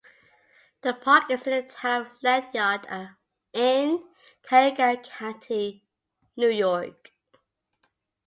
The park is in the Town of Ledyard in Cayuga County, New York.